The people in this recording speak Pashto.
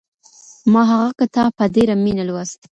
ما هغه کتاب په ډېره مینه لوست.